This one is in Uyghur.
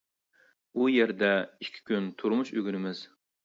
ئۇ يەردە ئىككى كۈن تۇرمۇش ئۆگىنىمىز.